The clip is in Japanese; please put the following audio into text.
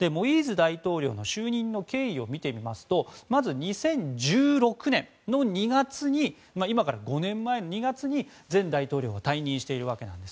大統領就任の経緯を見てみますと、まず２０１６年今から５年前の２月に前大統領が退任しているわけです。